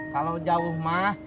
kalau jauh mah